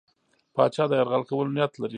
پاچا د یرغل کولو نیت لري.